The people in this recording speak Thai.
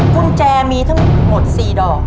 กุญแจมีทั้งหมด๔ดอก